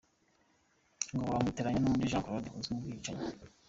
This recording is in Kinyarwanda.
Ngo bamwitiranya n’undi Jean Claude uzwi mu bwicanyi